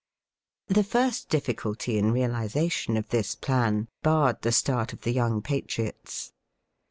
The first difficulty in realization of this plan barred the start of the young patriots.